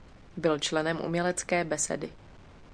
Byl členem Umělecké besedy.